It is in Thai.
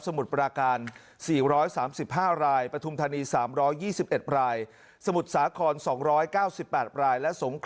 สมุดปราการ๔๓๕รายประทุมธนีศ๓๒๑รายสมุดสาขร๒๙๘ราย